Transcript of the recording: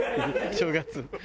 正月。